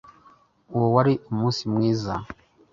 uwo wari umunsi nimwiza